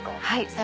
はい。